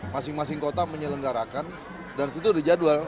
masing masing kota menyelenggarakan dan itu sudah dijadwal